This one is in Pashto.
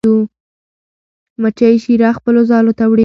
مچۍ شیره خپلو ځالو ته وړي.